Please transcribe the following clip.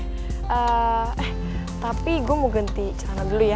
eh tapi gue mau ganti celana dulu ya